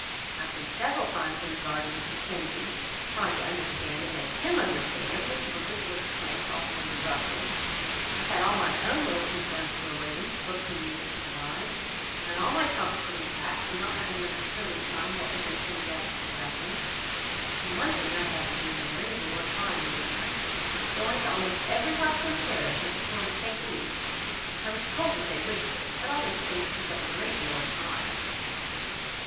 I have been several times in the garden with Mackenzie, trying to understand, and make him understand, which of Elizabeth's plants are for Lady Russell. I have had all my own little concerns to arrange, books and music to divide, and all my trunks to repack, from not having understood in time what was intended as to the waggons: and one thing I have had to do, Mary, of a more trying nature: going to almost every house in the parish, as a sort of take leave. I was told that they wished it. But all these things took up a great deal of time."